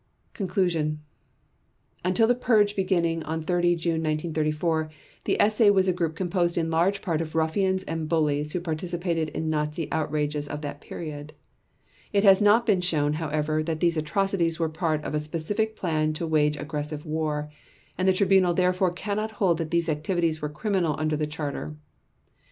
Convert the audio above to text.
Conclusion Until the purge beginning on 30 June 1934, the SA was a group composed in large part of ruffians and bullies who participated in the Nazi outrages of that period. It has not been shown, however, that these atrocities were part of a specific plan to wage aggressive war, and the Tribunal therefore cannot hold that these activities were criminal under the Charter.